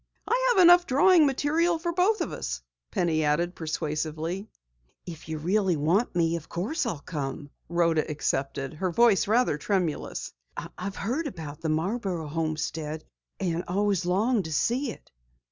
"I have enough drawing material for both of us," Penny added persuasively. "If you really want me, of course I'll come!" Rhoda accepted, her voice rather tremulous. "I've heard about the Marborough homestead, and always longed to see it."